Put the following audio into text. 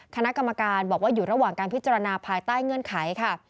คณะกรรมการบอกว่าอยู่ระหว่างการพิจารณาภายใต้เงื่อนไขค่ะ